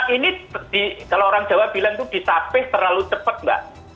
ini kalau orang jawa bilang itu disapeh terlalu cepat mbak